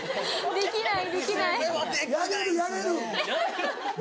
できない。